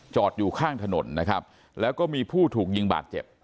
อยู่ข้างถนนนะครับแล้วก็มีผู้ถูกยิงบาดเจ็บ